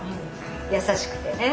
優しくてね。